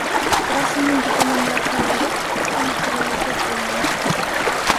Керосиндин жытынан башы ооруп, кускан учурлары көп болот.